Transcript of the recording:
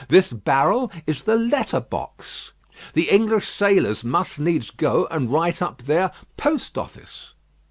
This barrel is the letter box. The English sailors must needs go and write up there 'Post Office.'